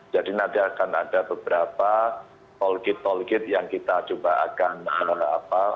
jadi akan ada beberapa tolkit tolkit yang kita coba akan kelola lah